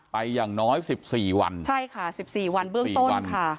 อย่างน้อย๑๔วันใช่ค่ะสิบสี่วันเบื้องต้นค่ะ